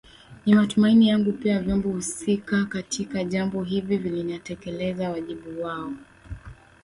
Ni matumaini yangu pia vyombo husika katika jambo hili vitatekeleza wajibu wao